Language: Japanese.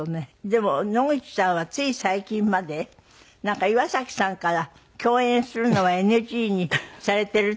でも野口さんはつい最近までなんか岩崎さんから共演するのはＮＧにされてるってずっと思ってたんですって？